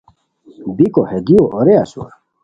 بیکو ہے دیو اورے اسور